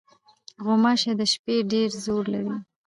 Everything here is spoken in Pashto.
غوماشې د شپې ډېر زور لري.